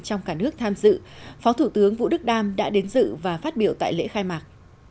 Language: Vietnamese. trong cả nước tham dự phó thủ tướng vũ đức đam đã đến dự và phát biểu tại lễ khai mạc